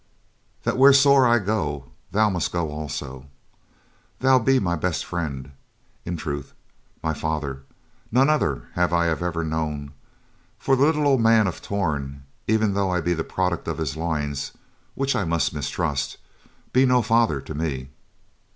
"That wheresoere I go, thou must go also. Thou be my best friend; in truth, my father; none other have I ever known, for the little old man of Torn, even though I be the product of his loins, which I much mistrust, be no father to me."